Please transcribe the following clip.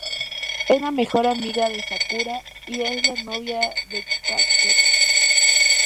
Es la mejor amiga de Sakura y es la novia de Kakeru.